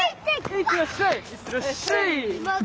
いってらっしゃい！